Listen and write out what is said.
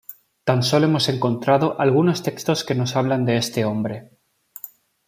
Tan solo hemos encontrado algunos textos que nos hablan de este hombre.